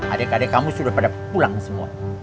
adik adik kamu sudah pada pulang semua